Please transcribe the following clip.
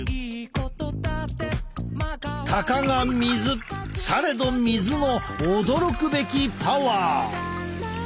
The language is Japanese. たかが水されど水の驚くべきパワー！